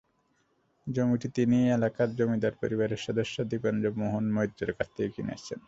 জমিটি তিনি এলাকার জমিদার পরিবারের সদস্য দীপেন্দ্র মহন মৈত্রর কাছ থেকে কিনেছেন।